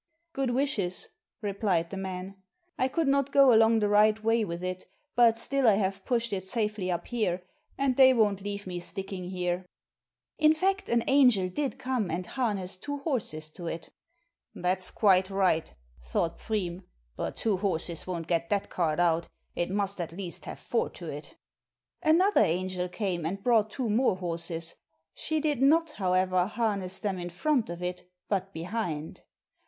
"Good wishes," replied the man, "I could not go along the right way with it, but still I have pushed it safely up here, and they won't leave me sticking here." In fact an angel did come and harnessed two horses to it. "That's quite right," thought Pfriem, "but two horses won't get that cart out, it must at least have four to it." Another angel came and brought two more horses; she did not, however, harness them in front of it, but behind.